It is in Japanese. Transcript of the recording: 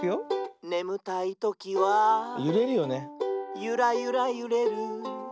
「ねむたいときはユラユラゆれる」